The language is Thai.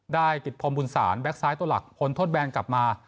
ได้ติดพรมบุญศาลแบ็คซ้ายตัวหลักพ้นโทษแบนกลับมา